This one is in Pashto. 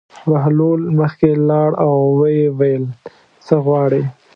بهلول مخکې لاړ او ویې ویل: څه غواړې.